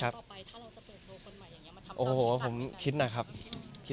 จากคอมเม้นต์ดาวน์มาภันธ์ต่อไป